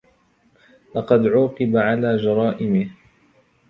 لقد عوقب على جرائمه.